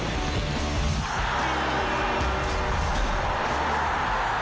โอ้โหแข้งหนุ่มวัย๑๙ปีประตูสวยเช่นเดียวกัน